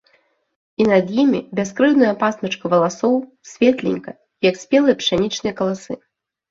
І над імі - бяскрыўдная пасмачка валасоў, светленькая, як спелыя пшанічныя каласы.